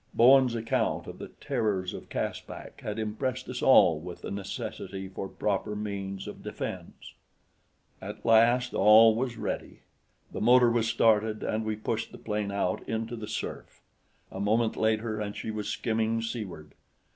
Bowen's account of the terrors of Caspak had impressed us all with the necessity for proper means of defense. At last all was ready. The motor was started, and we pushed the plane out into the surf. A moment later, and she was skimming seaward.